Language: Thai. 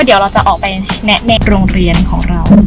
เดี๋ยวเราจะออกไปแนะในโรงเรียนของเรา